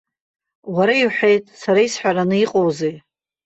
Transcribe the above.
Уара иуҳәеит, сара исҳәараны иҟоузеи.